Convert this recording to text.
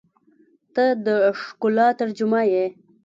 • ته د ښکلا ترجمه یې.